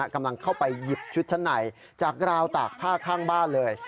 กำลังเข้าไปหยิบชุดชั้นในจากราวตากผ้าข้างบ้านเลย